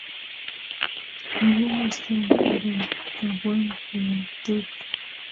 Ongemushten karun kapkwen keyai tuka